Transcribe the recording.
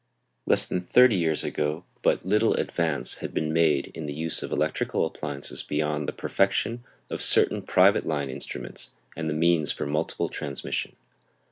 Less than thirty years ago but little advance had been made in the use of electrical appliances beyond the perfection of certain private line instruments, and a means for multiple transmission.